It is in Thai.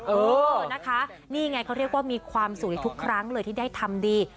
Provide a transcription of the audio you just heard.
เออนะคะนี่ไงเขาเรียกว่ามีความสุขทุกครั้งเลยที่ได้ทำดี